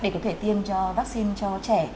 để có thể tiêm vaccine cho trẻ